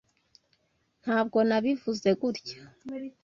Ntabwo nabivuze gutya.